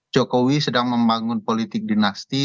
jokowi sedang membangun politik dinasti